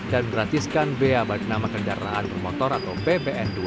dan beratiskan bea bagi nama kendaraan bermotor atau bpn dua